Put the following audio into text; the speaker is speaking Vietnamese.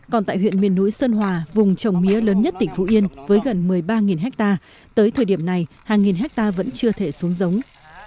còn tại huyện miền núi sơn hòa vùng trồng mía lớn nhất tỉnh phú yên với gần một mươi ba ha tới thời điểm này hàng nghìn hectare vẫn chưa thể xuống giống